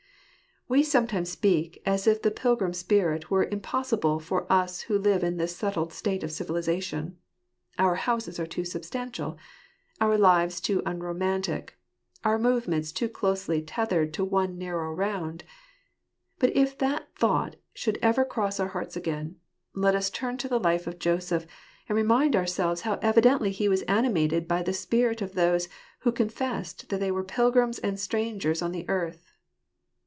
* We sometimes speak as if the pilgrim spirit were impossi ble for us who live in this settled state of civilization. Our houses are too substantial; our lives too unromantic ; our movements too closely tethered to one narrow round. But if that thought should ever cross our hearts again, let us turn to the life of Joseph, and remind ourselves how evidently he was animated by the spirit of those "who confessed that they were pilgrims and strangers on the earth."